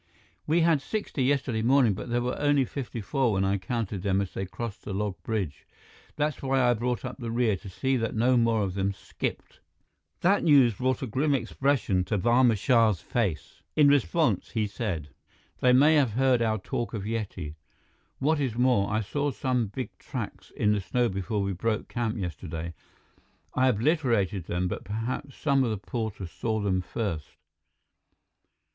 "We had sixty yesterday morning, but there were only fifty four when I counted them as they crossed the log bridge. That's why I brought up the rear, to see that no more of them skipped." That news brought a grim expression to Barma Shah's face. In response, he said: "They may have heard our talk of Yeti. What is more, I saw some big tracks in the snow before we broke camp yesterday. I obliterated them, but perhaps some of the porters saw them first."